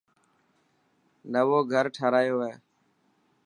نئوو گھر ٺارايو هي.